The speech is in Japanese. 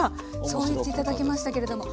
そう言って頂きましたけれども。